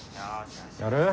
やる？